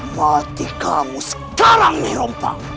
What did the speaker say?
mati kamu sekarang nih rompang